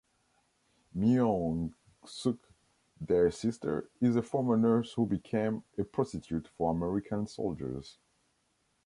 Myeongsuk, their sister, is a former nurse who became a prostitute for American soldiers.